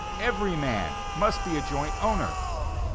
Every man must be a joint owner.